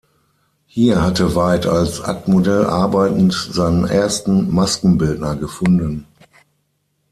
Hier hatte Weidt als Aktmodell arbeitend seinen ersten Maskenbildner gefunden.